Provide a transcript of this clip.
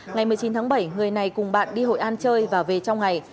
ngày một mươi chín tháng bảy người này cùng bạn đi hội an chơi và về trong ngày